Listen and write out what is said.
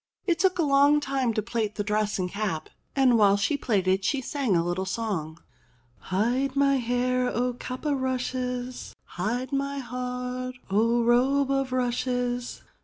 It took a long time to plait the dress and cap, and while she plaited she sang a little song : "Hide my hair, O cap o' rushes, Hide my heart, O robe o' rushes.